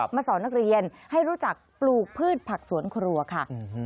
สอนนักเรียนให้รู้จักปลูกพืชผักสวนครัวค่ะ